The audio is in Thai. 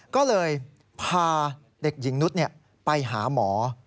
ก็เลยพาเด็กหญิงนุษย์ไปหาหมอ